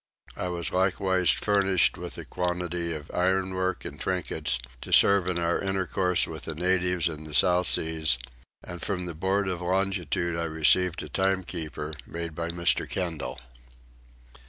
I was likewise furnished with a quantity of ironwork and trinkets to serve in our intercourse with the natives in the South Seas: and from the board of Longitude I received a timekeeper, made by Mr. Kendal.